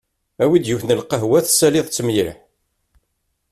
Awi-d yiwet n lqehwa tessaliḍ-tt mliḥ.